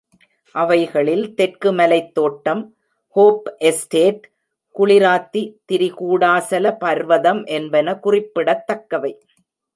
அவைகளில் தெற்கு மலைத் தோட்டம், ஹோப் எஸ்டேட், குளிராத்தி, திரிகூடா சல பர்வதம் என்பவை குறிப்பிடத்தக்கவை.